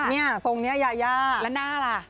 แล้วหน้าล่ะ